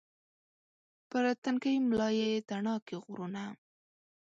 پر تنکۍ ملا یې تڼاکې غرونه